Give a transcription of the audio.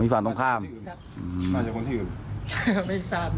อ๋อมีฝั่งตรงข้ามครับอาจจะคนที่อื่นไม่ทราบ